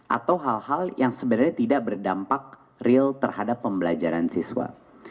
atau hal hal yang sebenarnya tidak berdampak real terhadap pembelajaran siswa